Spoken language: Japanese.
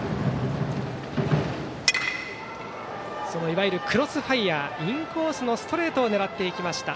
いわゆるクロスファイアーインコースのストレートを狙っていきました。